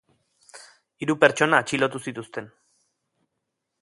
Hiru pertsona atxilotu zituzten.